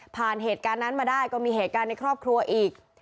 เหตุการณ์นั้นมาได้ก็มีเหตุการณ์ในครอบครัวอีก